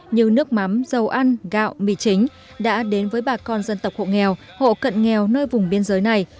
như nước mắm dầu ăn gạo mì chính đã đến với bà con dân tộc hộ nghèo hộ cận nghèo nơi vùng biên giới này